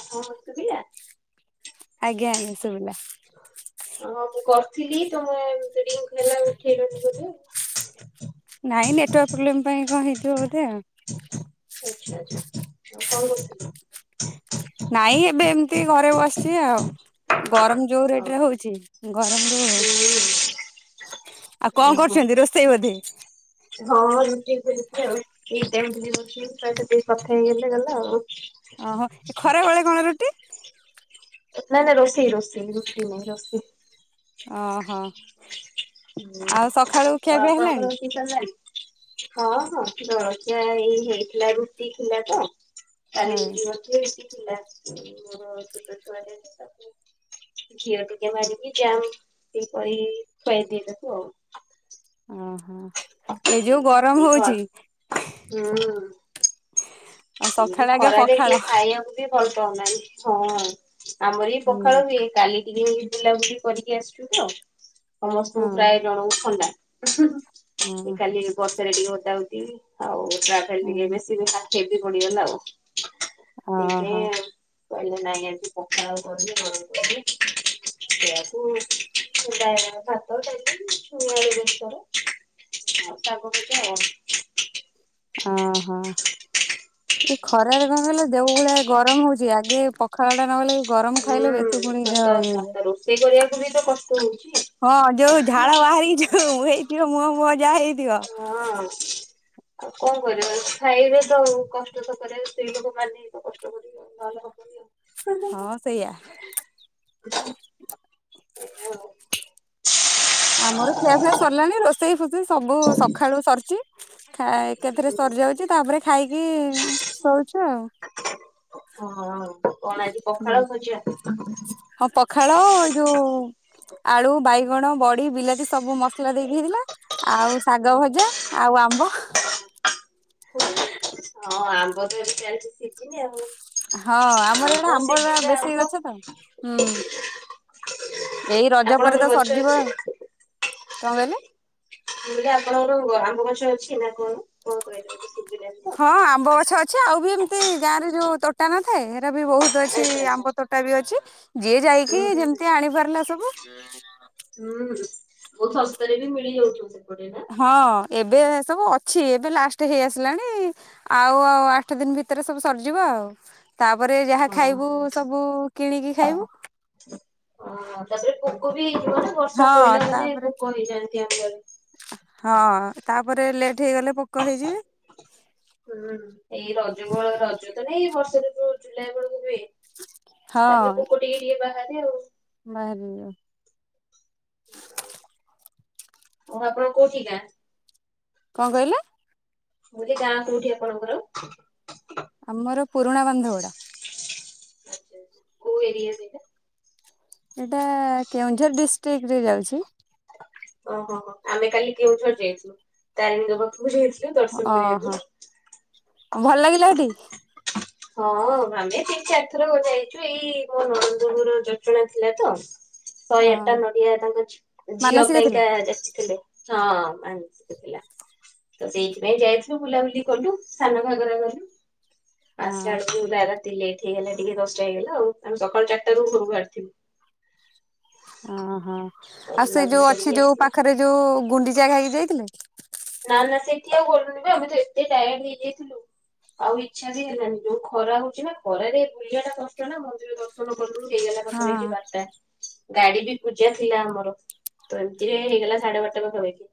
ଆପଣଙ୍କୁ ଶୁବିଲା? ଆଜ୍ଞା ଆଜ୍ଞା ଶୁବିଲା। ହଁ ମୁଁ କରିଥିଲି ତମେ [unintelligible] ଉଠେଇଲନି ବୋଧେ ଆଉ। ନାଇଁ ନେଟୱାର୍କ ପ୍ରୋବ୍ଲେମ ପାଇଁ କଣ ହେଇଥିବ ବୋଧେ ଆଉ। ଆଚ୍ଛା ଆଚ୍ଛା ଆଉ କଣ କରୁଥିଲେ? ନାଇଁ ଏବେ ଏମିତି ଘରେ ବସିଚି ଆଉ ଗରମ ଯୋଉ ରେଟ୍ ରେ ଓହୋ ହୋଉଚି ଗରମରୁ ହୁଁ ଆଉ କଣ କରୁଚନ୍ତି ରୋଷେଇ ବୋଧେ? ହଁ ରୋଷେଇ ଚାଲିଚି ଆଉ ଏଇ ଟାଇମି ଟିକେ ରୋଷେଇ ତା ସହିତ ଟିକେ କଥା ହେଇଗଲା ଗଲା ଆଉ। ଓହୋ ଖରା ବେଳେ କଣ ରୁଟି? ନାଁ ନାଁ ରୋଷେଇ ରୋଷେଇ ରୁଟି ନୁହୁଁ ରୋଷେଇ। ଅ ହଁ ଆଉ ସକାଳୁ ଖିଆ ପିଆ ଆପଣଙ୍କର ହେଲାଣି? ରୋଷେଇ ସରିଲାଣି। ହଁ ହଁ [unintelligible] ଏଇ ହେଇଥିଲା ରୁଟି ଥିଲା ତ କାଲି ହଉ ରୁଟି କ ଲି ରୁଟି ଥିଲା। ମୋର ଛୋଟ ଛୁଆଟେ ଯେ ତାକୁ ଘିଅ ଟିକେ ମାରିକି ଯାମ [unintelligible] କରି ଖୁଆଇ ଦିଏ ତାକୁ ଆଉ। ଓହୋ ଏ ଯୋଉ ଗରମ ଏଇ ଘ ହୋଉଚି। ଏ ବି ଖରାରେ ପଖାଳ। କିଏ ଖାଇବାକୁ କିଏ ଭଲ ପାଉନାହିଁ ହଁ ଆମର ଏଇ ହୁଁ ପଖାଳ ହୁଏ। କାଲି ଟିକେ ବୁଲାବୁଲି କରିକି ଆସିଲୁ ତ‌ସମସ୍ତଙ୍କୁ ହଁ। ପ୍ରାୟ ଜଣକୁ ଥଣ୍ଡା। ଓହୋ ଏଇ କାଲି ବର୍ଷାରେ ଟିକେ ଓଦା ଓଦି ଆଉ ଟ୍ରାଭେଲ ଟିକେ ବେଶୀ ବି ହା ହେବି ପଡିଗଲା ଆଉ ସେଇଥି ଓହୋ ପାଇଁ ଆଉ। କହିଲେ ନାଇଁ ଆଜି ପଖାଳ [unintelligible] ଗରମ କରିବି ସେଇଆକୁ [unintelligible] ଭାତ, ଡିଲି, ଛୁଇଁ, ଆଳୁ ବେସର ଅଟା କରୁଚ [unintelligible] ଅ ହ। ଏଇ ଖରାରେ କଣ କହିଲ ଯୋଉ ଭଳିଆ ଗରମ ହୋଉଚି ଆଗେ ପଖାଳ ଟା ନ ହେଲେ ହୁଁ ସତ କଥା ରୋଷେଇ କରିବାକୁ ବି ତ କଷ୍ଟ ‌ହୋଉଚି। ହଁ ଯୋଉ ଝାଳ ବାହାରି ଯୋଉ ହେଇଥିବ ମୁହଁ ମୁହଁ ଯାହା ହେଇଥିବ। ହଁ। ଆଉ କଣ କରିବା ଖାଇବେ ତ ଆଉ କଷ୍ଟ ତ କରିବା ସ୍ତ୍ରୀ ଲୋକ ମାନେ ତ କଷ୍ଟ କରି ନହେଲେ ହବନି ଆଉ। ହଁ ସେଇଆ। ସେଇଆ ଆଉ। ଆମର ଖିଆ ଫିଆ ସରିଲାଣି ରୋଷେଇ ଫୋଷେଇ ସବୁ ସଖାଳୁ ସରିଚି। ଖାଇ ଏକାଥରେ ସରିଯାଉଚି ତାପରେ ଖାଇକି ଶୋଉଚୁ ଆଉ। ହଁ କଣ ଆଜି ପଖାଳ ଭଜା। ହଁ ପଖାଳ ଏ ଯୋଉ ଆଳୁ, ବାଇଗଣ, ବଡି, ବିଲାତି ସବୁ ମସଲା ଦେଇକି ହେଇଥିଲା ଆଉ ଶାଗ ଭଜା ଆଉ ଆମ୍ବ। ହଁ ଆମ୍ବ ତ ଏଠି ଚାଲିଚି ସିଜିନି ଆଉ। ହଁ ଆମର ଇଆଡ଼େ ଆମ୍ବ ଉରା ସିଜିନରେ ବେଶୀ ଆମ୍ବ ଗଛ ତ, ହୁଁ। ଏଇ ରଜ ପରେ ଆପଣଙ୍କର ତ ଗଛ ସରିଯିବ ଆଉ ଅଛି କଣ କଇଲେ। ମୁଁ କଇଲି ଆପଣଙ୍କର ଆମ୍ବ ଗଛ ଅଛି ନା କଣ କଣ କଇଲେ ମତେ ଗୁଭିଲାନି। ହଁ ଆମ୍ବ ଗଛ ଅଛି ଆଉ ବି ଏମିତି ଗାଁ ରେ ଯୋଉ ତୋଟା ନଥାଏ ହେଇରା ବି ବହୁତ ଅଛି ଆଚ୍ଛା ଆଚ୍ଛା ଆମ୍ବ ତୋଟା ସେଟା ବି ଅଛି ଯିଏ ଯାଇକି ହୁଁ ଯେମିତି ହୁଁ ଆଣି ପାରିଲା ସବୁ। ହୁଁ ବହୁ ଶସ୍ତାରେ ବି ମିଳିଯାଉଥିବ ସେପଟେ ନା। ହଁ ଏବେ ଏ ସବୁ ଅଛି ଏବେ ଲାଷ୍ଟ ହେଇ ଆସିଲାଣି ଆଉ ଆଉ ଆଠ ଦିନ ଭିତରେ ସବୁ ସରିଯିବ ଆଉ। ତାପରେ ଯାହା ଖାଇବୁ ହଁ। ସବୁ କିଣିକି ଖାଇବୁ। ଓ ତାପରେ ପୋକ ବି ହେଇଯିବ ନା ବର୍ଷା ହଁ ପଇଲା ମାନେ ତାପରେ ପୋକ ହେଇଯାଆନ୍ତି ଆମ୍ବରେ। ହଁ ତାପରେ ଲେଟ୍ ହେଇଗଲେ ପୋକ ହେଇଯିବେ। ହୁଁ ଏଇ ରଜ ବେଳ ରଜ ତ ନାଇଁ ବର୍ଷାଋତୁ ଜୁଲାଇ ବେଳକୁ ହୁଏ। ତାପରେ ପୋକ ଟିକେ ଟିକେ ବାହାରେ। ବାହାରିଲୁ ଓ ଆପଣଙ୍କ କୋଉଠିି ଗାଁ? କଅଁ କଇଲ। ମୁଁ କଇଲି ଗାଁ କୋଉଠି ଆପଣଙ୍କର? ଆମର ପୁରୁଣା ବାନ୍ଧ ଗୋଡା। ଆଛାା କୋଉ ଏରିଆ ସେଇଟା? ଏଇଟା କେଉଁଝର ଡିଷ୍ଟ୍ରିକିରେ ଯାଉଛି। ଓହୋ ହୋ ଆମେ କାଲି କେଉଁଝର ଯାଇଥିଲୁ, ତାରିଣୀଙ୍କ ପାଖକୁ ଯାଇଥିଲୁ। ଦର୍ଶନ କରିବାକୁ। ଓହୋ ଭଲ ଲାଗିଲା ହେଠି। ହଁ ଆମେ ତିନି ଚାରିଥର ଯାଇଚୁ ଏଇ ମୋ ନଣନ୍ଦ ଘର ଯଟଣା ଥିଲା ତ। ଶହେ ଆଟା ହଁ ନଡିଆ ତାଙ୍କ ଝି ଝିଅ ମାନସିକ ଥିଲା ପାଇଁକା ଯାଚିଥିଲେ। ହଁ ମାନସିକ ଥିଲା। ତ ସେଇଥିପାଇଁ ଯାଇଥିଲୁ ବୁଲାବୁଲି କଲୁ ସାନ ଘାଗରା ଗଲୁ। ପାଞ୍ଚଟା ହଁ ଆଡୁକୁ ବୁଲା ରାତି ଲେଟ୍ ହେଇଗଲା ଟିକେ ଦଶଟା ହେଇଗଲା ଆଉ ଆମେ ସକାଳ ଚାରିଟାରୁ ଘରୁ ବାହାରିଥିବୁ। ଓହୋ ତ ଆଉ ସେ ବୁଲାବୁଲି ଯୋଉ ଅଛି କରିକି ଯୋଉ ଆସିଲୁ ପାଖରେ ଯୋଉ ଗୁଣ୍ଡିଚା ଘାଇ କି ଯାଇଥିଲେ? ନା ନା ସେଠି ଆଉ ଗଲୁନୁ ବା ଆମେ ତ ଏତେ ଟାଇଡ୍ ହେଇଯାଇଥିଲୁ। ଆଉ ଇଚ୍ଛା ବି ହେଲାନି ଯୋଉ ଖରା ହଉଚିନା ନା ଖରାରେ ବୁଲିବା ଟା କଷ୍ଟ ନା ମନ୍ଦିର [unintelligible] ହେଇ ଗଲା ପାଖାପାଖି ହଁ ବାରଟା। ଗାଡି ବି ପୂଜା ଥିଲା ଆମର ତ ଏମିତିରେ ହେଇ ହେଇଗଲା ସାଢେ ବାରଟା ପାଖାପାଖି।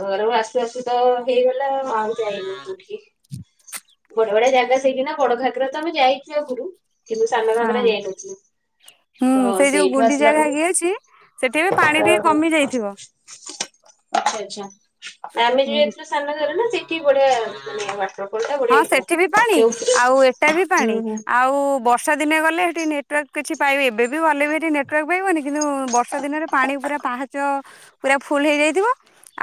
ଘରକୁ ଆସୁ ଆସୁ ତ ହେଇଗଲା ଆଉ ଯାଇନୁ କୋଉଠିକି ଗୋଟେ ଗୋଟେ ଜାଗା କାଇକିନା ବଡ ଘାଗରା ତ ଆମେ ଯାଇଚୁ ଆଗୁରୁ କିନ୍ତୁ ସାନ ଘାଗରା ହଁ। ଯାଇନଥିଲୁ। ହୁଁ ତ ସେଇ ଯୋଉ ସେଇଠୁ ଗୁଣ୍ଡିଚା ଆସିଲାରୁ ଘାଇକି ଅଛି ସେଠି ବି ପାଣି ଅ ଟିକେ ହ। କମି ଯାଇଥିବ। ଆଚ୍ଛା ଆଚ୍ଛା। ଆମେ ଯୋଉ ହୁଁ ଯାଇଥିଲୁ ସାନ ଘାଗରା ନା ସେଇଠି ବଢିଆ ମାନେ ୱାଟରଫଲ ଟା ବଢିଆ ହଁ ସେଠି ବି ହେଇଥିଲା ପାଣି ଯେଉ ଆଉ ଏଟା ବି ପାଣି ଆଉ ବର୍ଷା ବର୍ଷା ଦିନେ ଗଲେ ହେଟି ନେଟୱାର୍କ କିଛି ପାଇବେ ଏବେ ବି ଗଲେ ବି ନେଟୱାର୍କ ପାଇବନି କିନ୍ତୁ ବର୍ଷା ଦିନରେ ପାଣି ପୁରା ପାହାଚ ଚ଼ ପୁରା ଫୁଲ ହେଇଯାଇଥିବ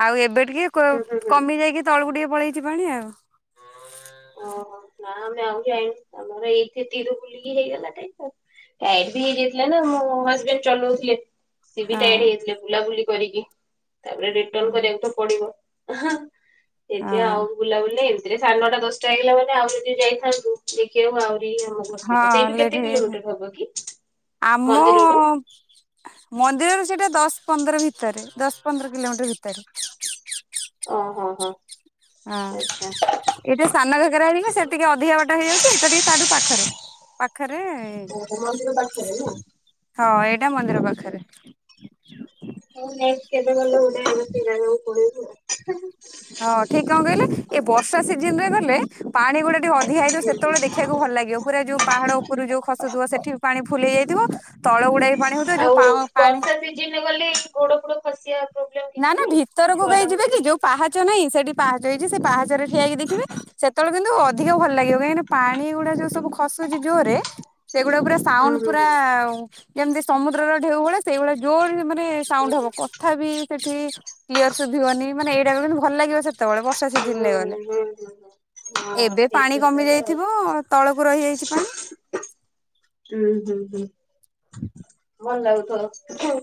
ଆଉ ଏବେ ଟିକେ କ ହୁଁ ହୁଁ ହୁଁ କମି ଯାଇକି ତଳକୁ ଟିକେ ପଳେଇଚି ପାଣି ଆଉ। ଓହୋ ନା ଆମେ ଆଉ ଯାଇନୁ ଆମର ଏଇଠି ଏତିକି ବୁଲିକି ହେଇଗଲା ଟାଇମ ଆଉ। ଟାଇଡ ବି ହେଇଯାଇଥିଲା ନା ମୋ ହଜବେଣ୍ଡ ଚଲଉଥିଲେ। ସେ ବି ଟାଇଡ ହଁ। ହେଇଯାଇଥିଲେ ବୁଲାବୁଲି କରିକି ତାପରେ ରିଟର୍ନ କରିବାକୁ ତ ପଡିବ। ହଁ ଏଥିରେ ହଁ ଆଉ ବୁଲାବୁଲି ଏମିତିରେ ସାଢ଼େ ନଅଟା ଦଶ ଟା ହେଇଗଲା ମାନେ ଆଉ ଯଦି ଯାଇଥାନ୍ତୁ। ଦେଖିବାକୁ ଆହୁରି ଆମକୁ ଅସୁବିଧା ହଁ ସେଇଠୁ ଲେଟ୍ କେତେ ହେଇଯାଇଥା କିଲୋମିଟର ହବ କି ମନ୍ଦିରରୁ? [unintelligible] ମନ୍ଦିର ରୁ ସେଇଟା ଦଶ ପନ୍ଦର ଭିତରେ ଦଶ ପନ୍ଦର କିଲୋମିଟର ଭିତରେ। ଓହ ହ ହ [unintelligible] ଏଇଟା ସାନ ଘାଗରା ଘରିକା ସେଆଡେ ଟିକେ ଅଧିକା ବାଟ ହେଇଯାଉଛି ଏଟା ଟିକେ ତାଠୁ ପାଖରେ। ପାଖରେ ଓହୋ ମନ୍ଦିର ପାଖରେ ନା ହଁ ଏଇଟା ମନ୍ଦିର ପାଖରେ। ମୁଁ ଯାଇକି କେବେ ଗଲେ ଗୋଟେ ସେଇ ଯାଗାକୁ ପଳେଇବି ଆଉ। ହଁ ଠିକ କଣ କହିଲେ ଏ ବର୍ଷା ସିଜିନରେ ଗଲେ ପାଣି ଗୁଡା ଟିକେ ଅଧିକା ହେଇଥିବ ସେତବେଳେ ଦେଖିବାକୁ ଭଲ ଲାଗିବ। ପୁରା ଯୋଉ ପାହାଡ଼ ଉପରୁ ଯୋଉ ଖସୁଥିବ ସେଠି ପାଣି ଫୁଲେଇ ଯାଇଥିବ ତଳ ଗୁଡ଼ା ବି ପାଣି ହଉଥିବ ଯୋଉ ଆଉ ପାଣି ବର୍ଷା ସିଜନରେ ଗଲେ ଗୋଡ଼ ଫୋଡ଼ ଖସିବା ପ୍ରୋବ୍ଲେମ ନାଁ କିଛି ନାଁ ନାହିଁ? ଭିତରକୁ କାଇଁ ଛୁଆଟାକୁ ଯିବେ କି ଯୋଉ ଧରିକି ପାହାଚ ନାହିଁ ସେଠି ପାହାଚ ହେଇଛି ସେ ପାହାଚରେ ଠିଆ ହେଇକି ଦେଖିବେ ସେତେବେଳେ କିନ୍ତୁ ଅ ଯିବାକୁ ଭଲ ଲାଗିବ କାହିଁକିନା ପାଣି ଗୁଡା ଯୋଉ ସବୁ ଖସୁଚି ଜୋରରେ ସେଗୁଡା ପୁରା ହୁଁ ସାଉଣ୍ଡ ହୁଁ ପୁରା ହୁଁ ଆଉ ଯେମିତି ସମୁଦ୍ରର ଢେଉ ଭଳି ସେଇଭଳିଆ ଜୋର ମା ନେ ହୁଁ ସାଉଣ୍ଡ ହବ ହୁଁ କଥା ବି ସେଠି କ୍ଲିୟର ସୁଭିବନି ମାନେ ଏଇଟା ବି ଭଲଲାଗିବ ସେ ତେବେଳେ ବର୍ଷା ହୁଁ ସିଜିନରେ ଗଲେ ହୁଁ ହୁଁ। ହଁ ଏବେ ପାଣି ହେଇଥିବ କମି ତାହେଲେ ଆଉ। ଯାଇଥିବ। ତଳକୁ ରହିଯାଇଛି ପାଣି। ହୁଁ ହୁଁ ହୁଁ ଭଲ ଲାଗୁଥବ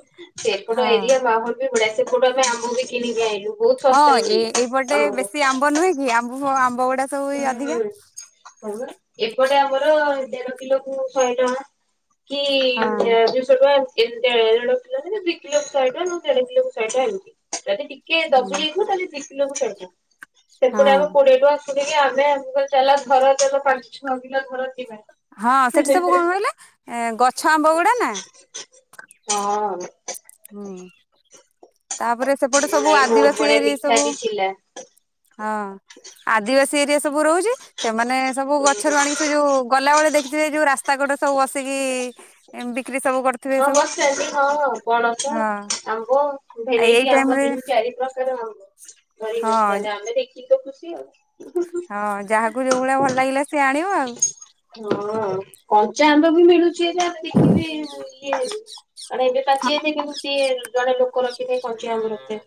ସେପଟ ହଁ ଏରିଆ ମାହୋଲ ବଢିଆ ସେପଟୁ ଆମେ ଆମ୍ବ ବି କିଣିକି ଆଣିଲୁ। ହଁ ଏ ଏଇପଟେ ବେଶୀ ଆମ୍ବ ନୁହେଁ କି ଆମ୍ବ ଆମ୍ବ ଗୁଡା ସବୁ ଏଇ ଅଧିକା ହୁଁ ଏପଟେ ଆମର ଦେଢ କିଲୋକୁ ଶହେ ଟଙ୍କା। କି ହଁ ଦୁଇଶହ ଟଙ୍କା ଏମି ଏମିତି ଦେଢ଼ କିଲୋ ଦିକିଲୋକୁ ସହେ ଟଙ୍କା ନହେଲେ ଦେଢ଼ କିଲୋକୁ ସହେ ଟଙ୍କା ଏମିତି ଯଦି ଟିକେ କିଏ ଦବି ଯାଇଥିବ ତାହେଲେ ଦି କିଲକୁ ଶହେ ଟଙ୍କା ହଁ ସେପଟେ ଆମ କୋଡିଏ ଟଙ୍କ। ମୁଁ କହିଲି ଆମେ ଆମ ଚାଲା ଧର ପାଞ୍ଚ ଛଅ କିଲୋ ଧର ଯିବା। ହଁ ସେଠି ସବୁ କଣ କହିଲେ ଏ ଗଛ ଆମ୍ବ ଗୁଡ଼ା ନା। ହଁ। ହୁଁ ତାପରେ ସେପଟେ ସବୁ ନାଇଁ ବହୁତ ଆଦିବାସୀ ବଢିଆ ଏରିଆ ମିଠା ସବୁ। ବି ଥିଲା। ହଁ ଆଦିବାସୀ ଏରିଆ ସବୁ ରହୁଛି। ସେମାନେ ସବୁ ଗଛରୁ ଆଣିକି ସେ ଯୋଉ ଗଲାବେଳେ ଦେଖିଥିବେ ଯୋଉ ରାସ୍ତା କଡରେ ସବୁ ବସିକି ଏମ ବିକ୍ରି ସବୁ କରୁଥିବେ। କଣ ସବୁ ବସିଛ ଆସିକି ହଁ। ପଣସ ହଁ ଆମ୍ବ ଏଇ ଭେରାଇଟି ଟାଇମ ଆମ୍ବ ରେ ତିନି ଚାରି ପ୍ରକାର ଆମ୍ବ। ଧରିଛନ୍ତି ହଁ ତାହାଲେ ଆମେ ଦେଖି ତ ଖୁସି ଆଉ। ହଁ ଯାହାକୁ ଯୋଉ ଭଳିଆ ଭଲ ଲାଗିଲା ସିଏ ଆଣିବ ଆଉ। ହଁ କଞ୍ଚା ଆମ୍ବ ବି ମିଳୁଛି ଏ ଦେଖିବେ ଏବେ ବି ମାନେ ଏବେ ପାଚିଯାଇଛି କିନ୍ତୁ ସିଏ ଜଣେ ଲୋକ ରଖିଥାଏ କଞ୍ଚା ଆମ୍ବ ରଖିଥାଏ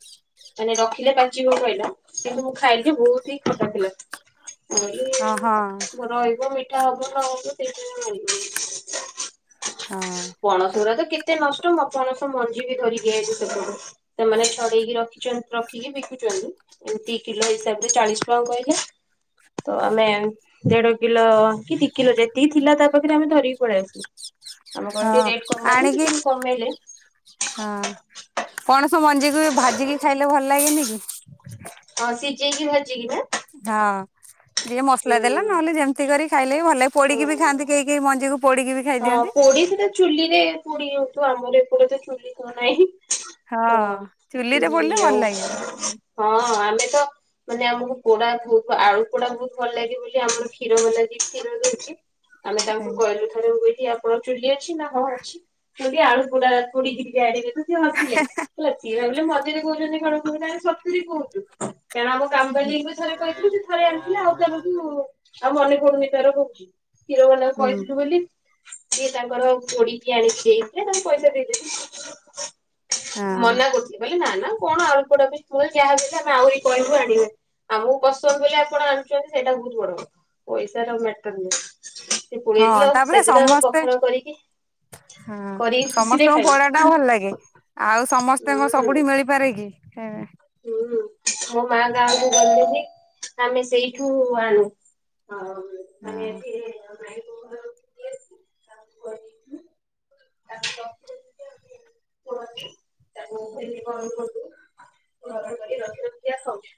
ମାନେ ରଖିଲେ ପାଚିଯାଏ। ଚିବ କହିଲା କିନ୍ତୁ ମୁଁ ଖାଇଲି ବହୁତ ହିଁ ଖଟା ଥିଲା। ହଁ ହଁ କହିଲ ରହିବ ମିଠା ହବ ନ ହବ ସେଇଥି ପାଇଁ ଆଣିଲିନି। ହଁ ପଣସ ଗୁରା ତ କେତେ ନଷ୍ଟ ମୁଁ ବା ପଣସ ମଞ୍ଜି ବି ଧରିକି ଆସିଛି ସେପଟୁ। ସେମାନେ ଛଡେଇକି ରଖିଛନ୍ ରଖିକି ବିକୁଚନ୍ତି ଏମିତି କିଲ ହିସାବରେ ଚାଳିଶ ଟଙ୍କା କହିଲେ। ତ ଆମେ ଦେଢ କିଲ କି ଦି କିଲ ଯେତିକି ଥିଲା ତା ପାଖରେ ଆମେ ଧରି ପଳେଇଆସିଲୁ ଆମେ କହିଲୁ ଟିକେ ହଁ ରେଟ୍ କମାନ୍ତୁ ସେ ଆଣିକି ଟିକେ କମେଇଲେ। ହଁ ପଣସ ମଞ୍ଜିକୁ ଭାଜିକି ଖାଇଲେ ଭଲ ଲାଗେନିକି? ହଁ ସିଜେଜଇ କି ଭାଜିକି ନା? ହଁ ଯିଏ ମସଲା ହୁଁ ଦେଲା ନହେଲେ ଯେମିତି କରି ଖାଇଲେ ବି ଭଲ ଲାଗେ ହୁଁ। ପୋଡିକି ବି ଖାଆନ୍ତି କେହି ଏ ମଞ୍ଚେଉ ହଁ ପୋଡି ସେଟା ଚୁଲିରେ ପୋଡିହଉଥିବ ଆମର ଏପଟେ ତ ଚୁଲି ତ ନାହିଁ। ହଁ ଚୁଲିରେ ଚୁଲି ପୋଡିଲେ ଭଲ ଆଉ ଲାଗିବ। ହଁ ଆମେ ତ ମାନେ ଆମକୁ ପୋଡା ଭଉତ ଆଳୁ ପୋଡା ଭଉତ ଭଲ ଲାଗେ ବୋଲି ଆମର କ୍ଷୀର ବାଲା ଯିଏ କ୍ଷୀର ଦଉଚି ଆମେ ହୁଁ ତାଙ୍କୁ କହିଲୁ ଥରେ ହୁ ଏଠି ଆପଣ ଚୁଲି ଅଛି ନା ହଁ ଅଛି। ଯଦି ଆଳୁ ପୋଡା ତୋଡିିକିରି ଆଡିଦେବେ ତ ସିଏ ହସିଲେ। ହେଲା ସିଏ ଭାବିଲେ ମଝିରେ କହୁଛନ୍ତି କଣ ଶୁଭୁନାହିଁ ସତୁରୀ କହୁଚୁ କାରଣ ଆମ କାମ ବାଲି ଇଂଲିଶ ଥରେ କହିଥିଲୁ ସେ ଥରେ ଆଣିଥିଲେ ଆଉ ତମକୁ ଆଉ ମନେ ପଡୁନି ତାର କହୁଛି। କ୍ଷୀରବାଲାକୁ ହଁ କହିଥିଲୁ ବୋଲି ସିଏ ତାଙ୍କର ପୋଡିିକି ଆଣିକି ଦେଇଥିଲେ ତାଙ୍କୁ ପଇସା ଦେଇଦେଲୁ ମନା କରୁଥିଲି ବୋଲି ନା ନା କଣ ଆଳୁ ପୋଡାଟେ ମୁଁ ଯାହାବି ହେଲେ ଆମେ ଆହୁରି କହିବୁ ଆଣିବେ ଆମକୁ ପସନ୍ଦ ବୋଲି ଆପଣ ଆଣୁଛନ୍ତି ସେଇଟା ବହୁତ ବଡ଼ କଥା। ପଇସାର ମେଟର ନ ସେ ହଁ ପୁଳେଇଥିଲା ଆଉ ତାପରେ ସେଦିନ ଆ ସମସ୍ତେ ପଖାଳ କରିକି ହଁ କରିକି ଖୁସିରେ ସମସ୍ତଙ୍କୁ ଖାଇବୁ ପଡ଼ଟା ଭଲ ଲାଗେ ଆଉ ହୁଁ ସମସ୍ତେ କଁ ସବୁଠି ମିଳି ପାରେକି ହୁଁ। ହୁଁ ମୋ ମା ଗାଁକୁ ଗଲେବି ଆମେ ସେଇଠୁ ଆଣୁ। ଆଉ ହଁ ମାନେ ହଁ। ଏଠି ମାଇଁ ବୋଉ ଘରକୁ ନେଇ ଆସୁ ତାକୁ କରିକି [unintelligible] [unintelligible] କରି ରଖି ରଖିବା ଖାଉଛି।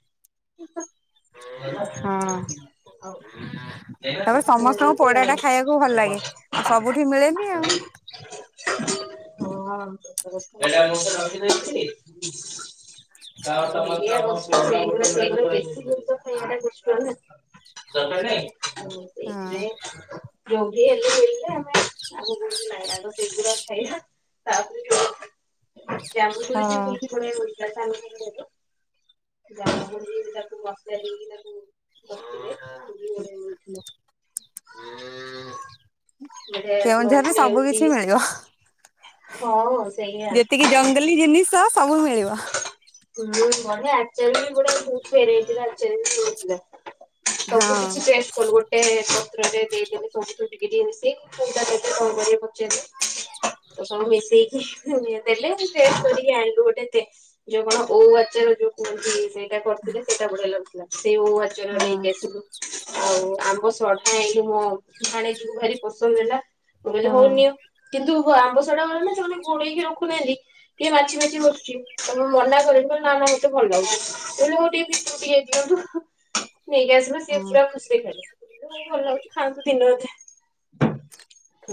ତାପରେ ସମସ୍ତଙ୍କୁ ପୋଡା ଟା ଖାଇବାକୁ ଭଲ ଲାଗେ [unintelligible] ଆଉ ସବୁଠି ମିଳେନି ଆଉ [unintelligible] [unintelligible] [unintelligible] [unintelligible] ସେଇଥିରେ ରୋଗୀ ହଁ। ହେଲେ [unintelligible] ତ ସେଇଗୁଡା ଖାଇବା ତାପରେ ଜାମୁକୋଳି ବି ହଁ କେମିତି କଣ [unintelligible] କେଉଁଝରରେ ସବୁ ରଖିଲେ। କିଛି [unintelligible] [unintelligible] ମିଳିବ ହଉ ଆଉ ସେଇଆ। ଯେତିକି ଜଙ୍ଗଲୀ ଜିନିଷ ସବୁ ମିଳିବ। ହୁଁ ବହୁତ୍ ବଢିଆ ଆଚାର ଭି [unintelligible] ବଢିଆ ହେଇଥିଲା। ହଁ ସବୁ କିଛି ଟେଷ୍ଟ କଲୁ ଗୋଟେ ଟେ ପତ୍ରରେ ଦେଇଦେଲି ସବୁଥିରୁ ଟିକେ ଟିକେ ମିସେଇକି କଉଟା ଦେଲେ କଣ କରିଲେ ପଚାରିଲେ। ତ ସବୁ ମିଶେଇକି ଦେଲେ ମୁଁ ଟେଷ୍ଟ କରିକି ଆଣି ଗୋଟେ ତେ ଯୋଉ କଣ ଓଉ ଆଚାର ଯୋଉ କୁହନ୍ତି ସେଇଟା କରିଥିଲେ ସେଇଟା ବଢିଆ ଲାଗୁଥିଲା ସେଇ ଓଉ ଆଚା [unintelligible] ହଁ ନେଇକି ଆସିଲୁ। ଆଉ ଆମ୍ବ ସଢା ଆଣିଲି ମୋ ଭାଣେଜୀକୁ ଭାରି ପସନ୍ଦ ହେଲା, ମୁଁ କହିଲି ହଉ ହଁ। ନିଅ। କିନ୍ତୁ ଆମ୍ବ ସଡା ମାନେ ସେମାନେ ଘୋଳେଇକି ରଖୁନାହାନ୍ତି ଟିକେ ମାଛି ବ ଚି ତାପରେ ମନା କରେ ନା ନା ମତେ ଭଲ ଲାଗୁଛି ମୁଁ କହିଲି ଟିକେ ହଉ ଭିତରକୁ ଟିକେ ଦିଅନ୍ତୁ। ନେଇକି ଆସିଲା ସିଏ ହଁ ପୁରା ଖୁସିରେ ଖାଇଲେ, ମୁଁ କହିଲି ଭଲ ଲାଗୁଛି ଖାଆନ୍ତୁ ଦିନେ ଅଧେ।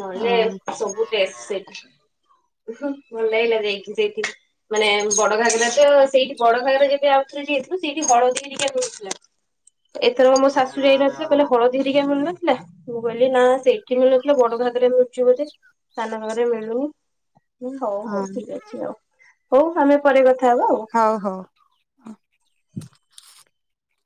ନହେଲେ ହଁ ସବୁ ଟେଷ୍ଟ ସେଇଠି, ଭଲ ଲାଗିଲା ଯାଇକି ସେଇଠି। ମାନେ ବଡଘାଗରା ତ ସେଇଠି ବଡ ଘାଗରା ଜେଭେ ଆଉ ଥରେ ଯାଇଥିଲୁ ସେଇଠି ହଳଦୀ ହେରିକା ସବୁ ଥିଲା। [inaudible] ଏଥରକ ମୋ ଶାଶୁ ଯାଇନଥିଲେ କହିଲେ ହଳ ଧୀରିକା ମିଳୁନଥିଲା, ମୁଁ କହିଲି ନା ସେଇଠି ମିଳୁନଥିଲା ବଡଘାଗେରାରେ ମିଳୁଛି ବୋଧେ। ସାନଘାଘେରାରେ ମିଳୁନି ମୁଁ କହିଲି ହଉ ହଉ ହଁ ଠିକ ଅଛି ଆଉ। ହଉ ଆମେ ପରେ କଥା ହବା ଆଉ। ହଉ ହଉ।